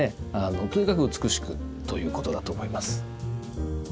とにかく美しくということだと思います。